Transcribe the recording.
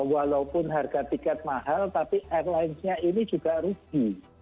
walaupun harga tiket mahal tapi airlinenya ini juga rugi